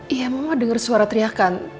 iya mama dengar suara teriakan